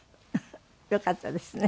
よかったですね。